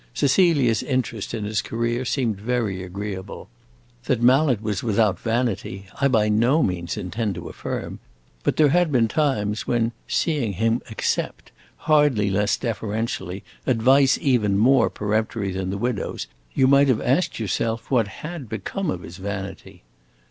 Cecilia's interest in his career seemed very agreeable. That Mallet was without vanity I by no means intend to affirm; but there had been times when, seeing him accept, hardly less deferentially, advice even more peremptory than the widow's, you might have asked yourself what had become of his vanity.